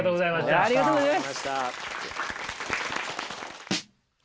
ありがとうございます。